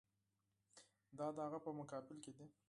دا د هغه په مقابل کې دي.